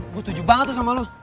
gue tujuh banget tuh sama lo